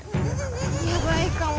やばいかも。